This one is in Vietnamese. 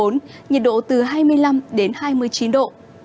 nhiệt độ từ hai mươi năm đến hai mươi chín độ